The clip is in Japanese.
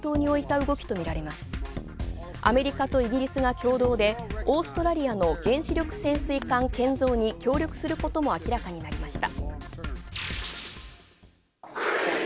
アメリカとイギリスが共同でオーストラリアの原子力潜水艦建造の協力することも明らかになりました。